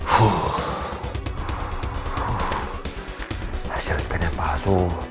hasil sekian yang palsu